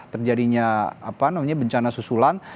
terjadinya apa namanya bencana susulan